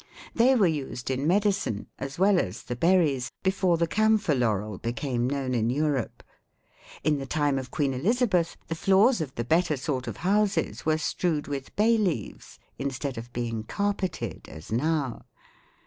They were used in medicine, as well as the berries, before the camphor laurel became known in Europe; in the time of Queen Elizabeth the floors of the better sort of houses were strewed with bay leaves instead of being carpeted as now.